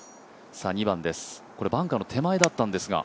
２番、バンカーの手前だったんですが。